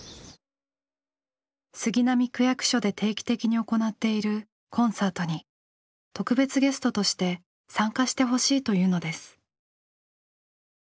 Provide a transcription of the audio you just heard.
杉並区役所で定期的に行っているコンサートに特別ゲストとして参加してほしいというのです。